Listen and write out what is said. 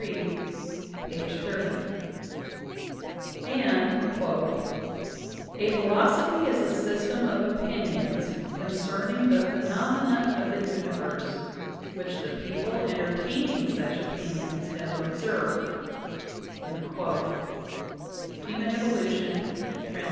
xxx) ; and "A philosophy is a system of opinions concerning the phenomena of the universe, which the people entertaining such opinions have observed" (Human Evolution, Trans.